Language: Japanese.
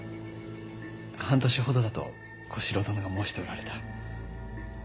半年ほどだと小四郎殿が申しておられた。